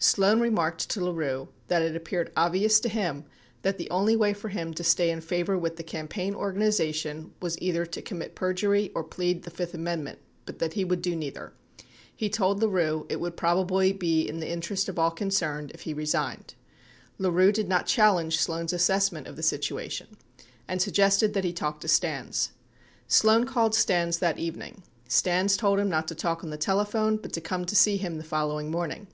Sloan remarked to LaRue that it appeared obvious to him that the only way for him to stay in favor with the campaign organization was either to commit perjury or plead the fifth amendment, but that he would do neither. He told LaRue it would probably be in the interest of all concerned if he resigned. 83 LaRue did not challenge Sloan's assessment of the situation and suggested that he talk to Stans. Sloan called Stans that evening; Stans told him not to talk on the telephone but to come to see him the fol lowing morning.